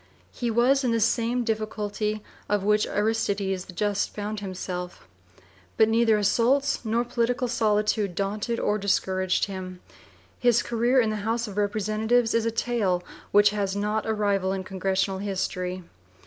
He was in the same difficulty in which Aristides the Just found himself. But neither (p. viii) assaults nor political solitude daunted or discouraged him. His career in the House of Representatives is a tale which has not a rival in congressional history.